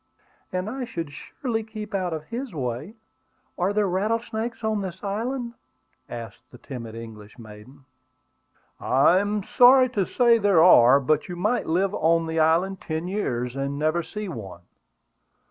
"And I should surely keep out of his way. Are there rattlesnakes on this island?" asked the timid English maiden. "I am sorry to say there are; but you might live on the island ten years and never see one.